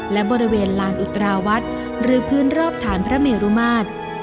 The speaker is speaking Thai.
และบริเวณลานอุตราวัดหรือพื้นรอบฐานพระเมรุมาตร